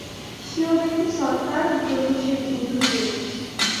স্বীয় ব্যক্তি-সত্তার জন্য সে যুদ্ধ করিতেছে।